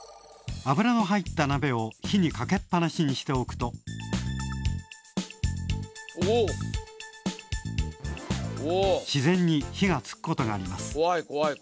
油の入ったなべを火にかけっぱなしにしておくと自然に火がつくことがあります。